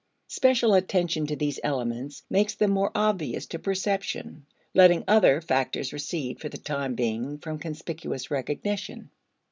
Special attention to these elements makes them more obvious to perception (letting other factors recede for the time being from conspicuous recognition).